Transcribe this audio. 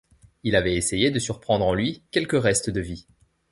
Il avait essayé de surprendre en lui quelque reste de vie